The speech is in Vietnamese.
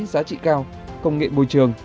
giá trị cao công nghệ bồi trường